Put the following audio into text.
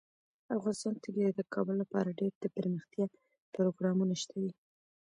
افغانستان کې د کابل لپاره ډیر دپرمختیا پروګرامونه شته دي.